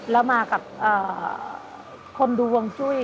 แล้วมากับคนดูห่วงจุ้ย